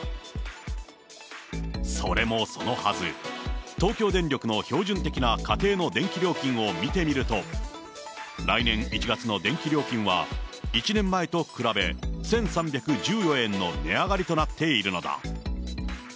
それもそのはず、東京電力の標準的な家庭の電気料金を見てみると、来年１月の電気料金は１年前と比べ、１３１４円の値上がりとなっているのだ。